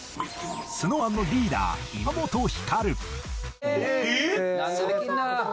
このＳｎｏｗＭａｎのリーダー岩本照。